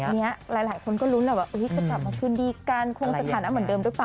อันนี้หลายคนก็ลุ้นแหละว่าจะกลับมาคืนดีกันคงสถานะเหมือนเดิมหรือเปล่า